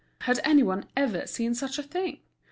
Had any one ever seen such a thing?